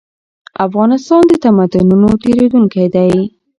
افغانستان د تمدنونو تېرېدونکی و.